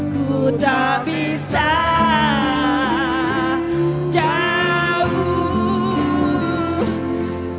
ku tak bisa jauh